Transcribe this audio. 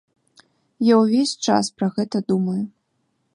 Я ўвесь час пра гэта думаю.